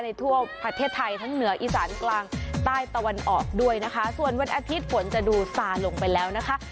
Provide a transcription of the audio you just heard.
ทั่วประเทศไทยทั้งเหนืออีสานกลางใต้ตะวันออกด้วยนะคะส่วนวันอาทิตย์ฝนจะดูซาลงไปแล้วนะคะ